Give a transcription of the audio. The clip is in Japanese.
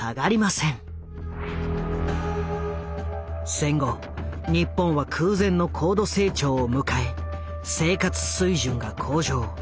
戦後日本は空前の高度成長を迎え生活水準が向上。